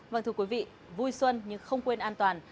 vâng thưa quý vị vui xuân nhưng không quên an toàn